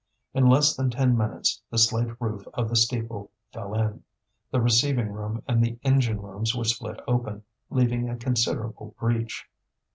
In less than ten minutes the slate roof of the steeple fell in, the receiving room and the engine rooms were split open, leaving a considerable breach.